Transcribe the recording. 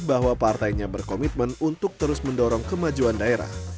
bahwa partainya berkomitmen untuk terus mendorong kemajuan daerah